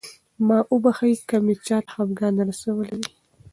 ما وبښئ که مې چاته خفګان رسولی وي.